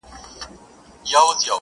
نو پيدا يې كړه پيشو توره چالاكه-